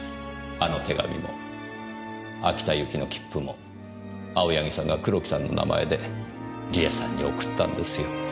あの手紙も秋田行きの切符も青柳さんが黒木さんの名前で梨絵さんに送ったんですよ。